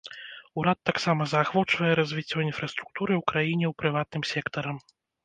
Урад таксама заахвочвае развіццё інфраструктуры ў краіне ў прыватным сектарам.